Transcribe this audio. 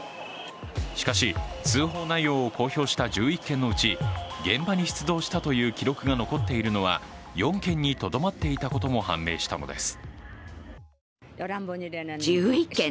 しかし、通報内容を公表した１１件のうち現場に出動したという記録が残っているのは４件にとどまっていたことも判明したのです。